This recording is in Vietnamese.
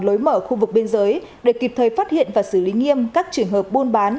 lối mở khu vực biên giới để kịp thời phát hiện và xử lý nghiêm các trường hợp buôn bán